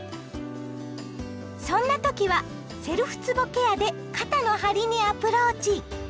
そんな時はセルフつぼケアで肩の張りにアプローチ！